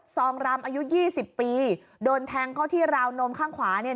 องรำอายุยี่สิบปีโดนแทงเข้าที่ราวนมข้างขวาเนี่ย